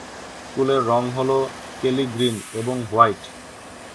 স্কুলের রঙ হল কেলি গ্রিন এবং হোয়াইট।